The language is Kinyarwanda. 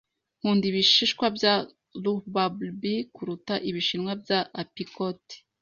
Nkunda ibishishwa bya rhubarb kuruta ibishishwa bya apicot